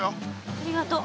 ありがとう。